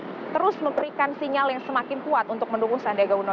yang terus memberikan sinyal yang semakin kuat untuk mendukung sandiaga uno